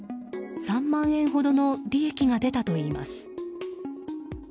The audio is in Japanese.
３万円ほどの利益が出たといいます。